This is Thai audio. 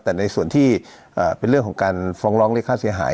แต่ในส่วนที่เป็นเรื่องของการฟ้องร้องเรียกค่าเสียหาย